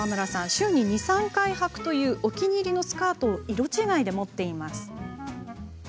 週に２、３回はくというお気に入りのスカートを色違いで持っています。